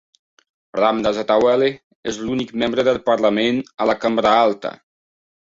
Ramdas Athawale és l'únic membre del Parlament a la Cambra Alta.